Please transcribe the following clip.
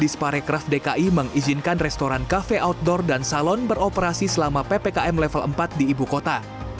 di sparekraf dki mengizinkan restoran kafe outdoor dan salon beroperasi selama ppkm level empat di ibu kota